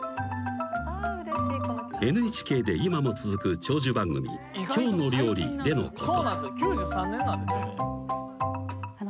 ［ＮＨＫで今も続く長寿番組『きょうの料理』でのこと］